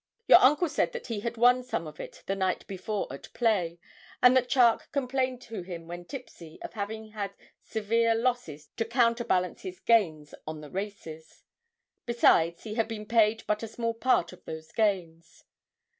Your uncle said that he had won some of it the night before at play, and that Charke complained to him when tipsy of having had severe losses to counterbalance his gains on the races. Besides, he had been paid but a small part of those gains.